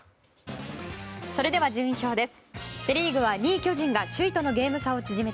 それでは順位表です。